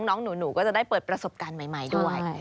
น้องหนูก็จะได้เปิดประสบการณ์ใหม่ด้วย